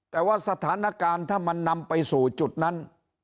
แต่ว่าสถานการณ์ถ้ามันนำไปสู่จุดนั้น